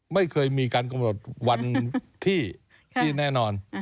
ไม่เคยมีการกำหนดวันที่แน่นอน